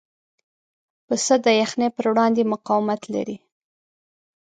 پسه د یخنۍ پر وړاندې مقاومت لري.